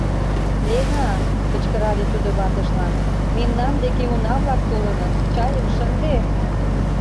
Лена, — кычкырале тудо ватыжлан, — мемнан деке уна-влак толыныт, чайым шынде!